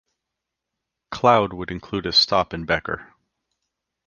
Cloud would include a stop in Becker.